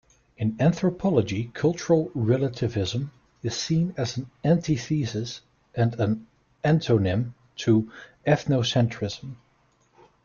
In anthropology, cultural relativism is seen as an antithesis and an antonym to ethnocentrism.